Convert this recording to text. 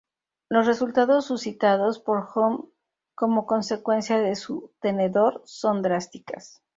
Los resultados suscitados por Hume como consecuencias de su "tenedor" son drásticas.